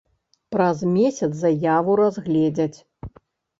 Праз месяц заяву разгледзяць.